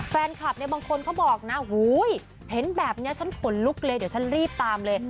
แฟนคลับเนี่ยบางคนเขาบอกนะเห็นแบบนี้ฉันขนลุกเลยเดี๋ยวฉันรีบตามเลย